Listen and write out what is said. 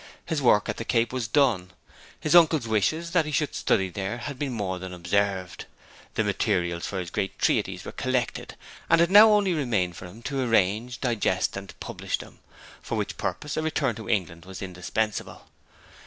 His work at the Cape was done. His uncle's wishes that he should study there had been more than observed. The materials for his great treatise were collected, and it now only remained for him to arrange, digest, and publish them, for which purpose a return to England was indispensable.